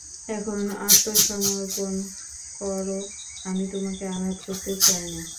এখন আত্মসমর্পণ করো, আমি তোমাকে আঘাত করতে চাই না।